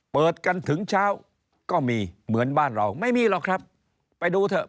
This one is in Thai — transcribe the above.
เปิดกันถึงเช้าก็มีเหมือนบ้านเราไม่มีหรอกครับไปดูเถอะ